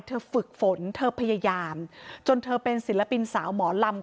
ฝึกฝนเธอพยายามจนเธอเป็นศิลปินสาวหมอลำ